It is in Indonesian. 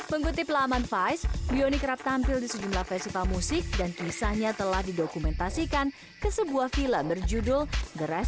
menggutip laman vice bionisam kerap tampil di sejumlah festival musik dan kisahnya telah didokumentasikan ke sebuah film berjudul the resistance of the earth